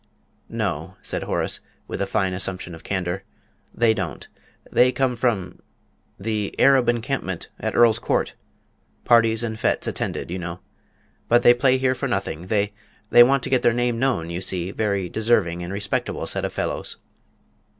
"No," said Horace, with a fine assumption of candour, "they don't; they come from the Arab Encampment at Earl's Court parties and fêtes attended, you know. But they play here for nothing; they they want to get their name known, you see; very deserving and respectable set of fellows."